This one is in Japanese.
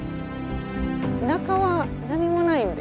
中は何もないんですよ。